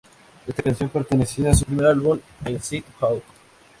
Esta canción pertenecía a su primer álbum "Inside Out".